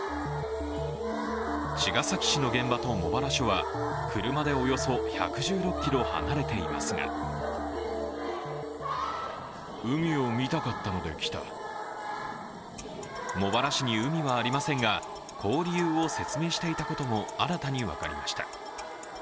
茅ヶ崎市の現場と茂原署は車でおよそ１１６ｋｍ離れていますが茂原市に海はありませんが、こう理由を説明していたことも新たに分かりました。